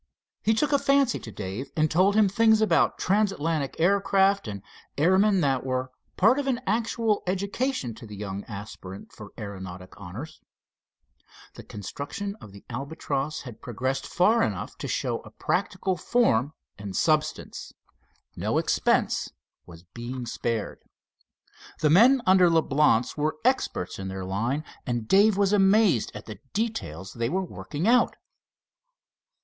He took a fancy to Dave, and told him things about transatlantic aircraft and airmen that were part of an actual education to the young aspirant for aeronautic honors. The construction of the Albatross had progressed far enough to show a practical form and substance. No expense was being spared. The men under Leblance were experts in their line, and Dave was amazed at the details they were working out.